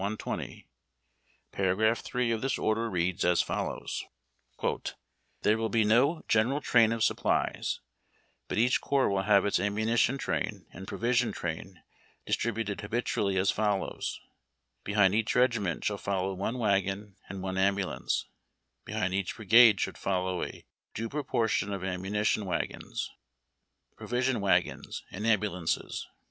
120 ; paragraph 3 of this order reads as follows :— ABMV n'AGON TIiAINS. 353 *' Tliere will be no general train of supplies, but each corps will have its ammunition train and provision train distributed habitually as follows: Behind each regiment should follow one wagon and one ambulance; behind each brigade should follow a due proportion of ammunition wagons, provis ion wagons and am])ulances.